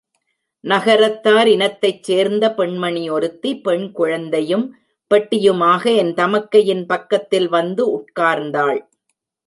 நகரத்தார் இனத்தைச் சேர்ந்த பெண்மணி ஒருத்தி, பெண்குழந்தையும் பெட்டியுமாக என் தமக்கையின் பக்கத்தில் வந்து உட்கார்ந்தாள்.